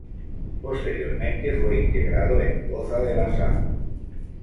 Posteriormente fue integrado en Poza de la Sal.